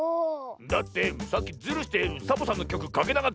だってさっきズルしてサボさんのきょくかけなかったろ。